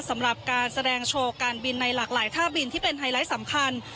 สำหรับการแสดงโชว์การบินในหลากหลายท่าบินที่เป็นไฮไลท์สำคัญ